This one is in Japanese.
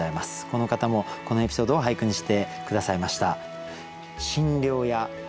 この方もこのエピソードを俳句にして下さいました。